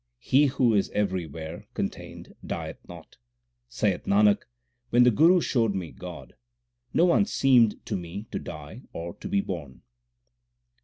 He who is everywhere contained dieth not. Saith Nanak, when the Guru showed me God, No one seemed to me to die or to be born.